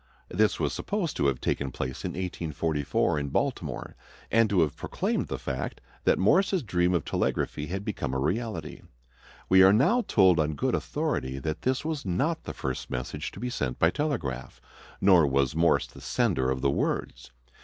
This was supposed to have taken place in 1844 in Baltimore, and to have proclaimed the fact that Morse's dream of telegraphy had become a reality. We are now told on good authority that this was not the first message to be sent by telegraph, nor was Morse the sender of the words.